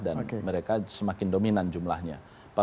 dan mereka semakin dominan jumlahnya